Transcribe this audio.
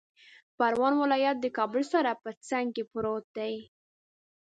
پروان ولایت د کابل سره په څنګ کې پروت دی